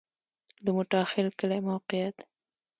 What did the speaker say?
د موټاخیل کلی موقعیت